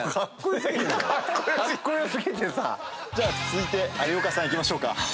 続いて有岡さんいきましょうか。